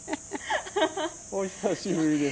お久しぶりです。